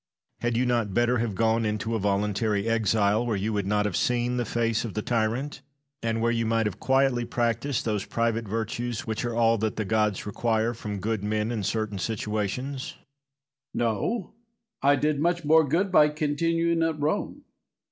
Had you not better have gone into a voluntary exile, where you would not have seen the face of the tyrant, and where you might have quietly practised those private virtues which are all that the gods require from good men in certain situations? Messalla. No; I did much more good by continuing at Rome.